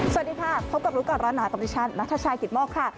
สวัสดีค่ะพบกับลูกก่อนร้านหนาตรงที่ชั้นนัทชายกิตมกค่ะ